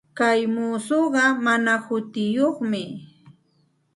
Kay muusuqa mana hutiyuqmi.